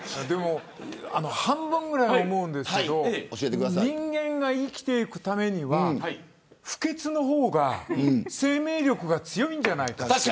半分くらい思うんですけど人間が生きていくためには不潔の方が生命力が強いんじゃないかと。